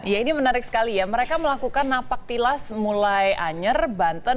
ya ini menarik sekali ya mereka melakukan napak tilas mulai anyer banten